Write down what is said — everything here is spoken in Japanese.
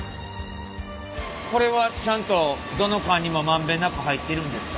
これはちゃんとどの缶にも満遍なく入ってるんですか？